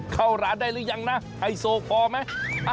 เข้าร้านได้หรือยังนะไฮโซพอไหม